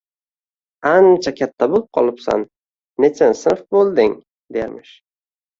- Ancha katta bo'lib qolibsan, nechanchi sinf bo'lding? dermish...